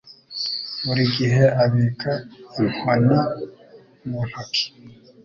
Buri gihe abika inkoni mu ntoki.